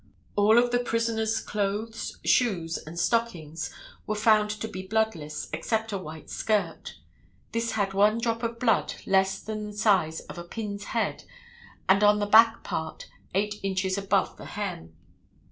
All of the prisoner's clothes, shoes and stockings were found to be bloodless, except a white skirt. This had one drop of blood less than the size of a pin's head and on the back part eight inches above the hem.